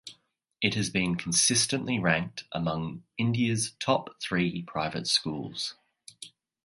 It has been consistently ranked among India's top three private schools.